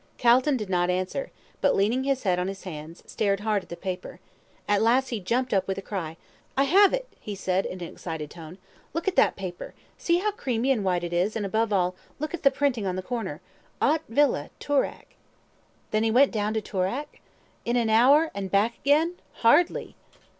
Calton did not answer, but, leaning his head on his hands, stared hard at the paper. At last he jumped up with a cry "I have it," he said, in an excited tone. "Look at that paper; see how creamy and white it is, and above all, look at the printing in the corner 'OT VILLA, TOORAK.'" "Then he went down to Toorak?" "In an hour, and back again hardly!"